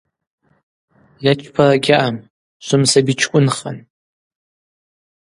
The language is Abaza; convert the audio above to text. Йачпара гьаъам, швымсабичкӏвынхан.